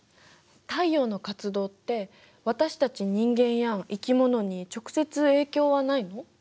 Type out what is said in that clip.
太陽の活動って私たち人間や生き物に直接影響はないの？